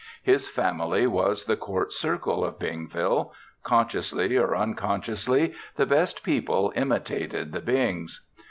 His family was the court circle of Bingville. Consciously or unconsciously, the best people imitated the Bings.